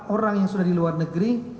orang yang sudah di luar negeri